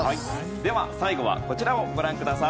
では最後はこちらをご覧ください。